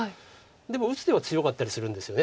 でも打つ手は強かったりするんですよね